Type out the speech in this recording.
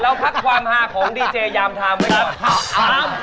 พักความฮาของดีเจยามไทม์ไว้ก่อน